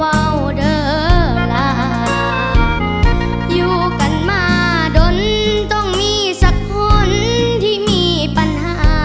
ว่าวเด้อลาอยู่กันมาดนต้องมีสักคนที่มีปัญหา